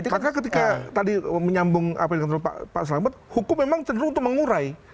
maka ketika tadi menyambung apa yang pak selamat hukum memang cenderung untuk mengurai